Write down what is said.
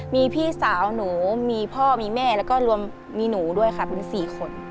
มีพี่สาวหนูมีพ่อมีแม่แล้วก็รวมมีหนูด้วยค่ะเป็น๔คน